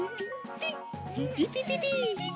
ピッピピピピピピ！